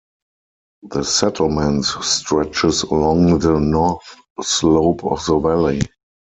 The settlement stretches along the north slope of the valley.